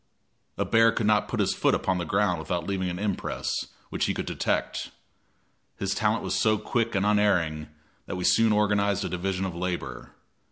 A bear could not put his foot upon the ground without leaving an impress which he could detect. His talent was so quick and unerring that we soon organized a division of labor.